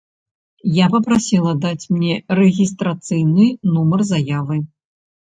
Я папрасіла даць мне рэгістрацыйны нумар заявы.